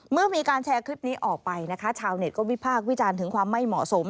เมื่อมีการแชร์คลิปนี้ออกไปนะคะชาวเน็ตก็วิพากษ์วิจารณ์ถึงความไม่เหมาะสม